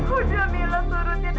udah milo surutin